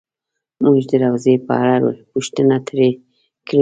مونږ د روضې په اړه پوښتنه ترې کړې وه.